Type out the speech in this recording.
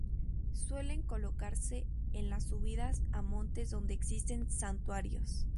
Suenen colocarse en las subidas a montes donde existen santuarios.